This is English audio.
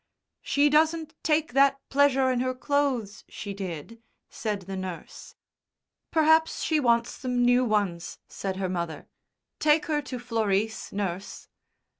"She doesn't take that pleasure in her clothes she did," said the nurse. "Perhaps she wants some new ones," said her mother. "Take her to Florice, nurse."